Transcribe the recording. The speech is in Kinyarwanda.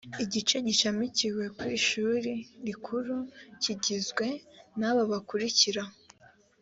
igice gishamikiye ku ishuri rikuru kigizwe n’aba bakurikira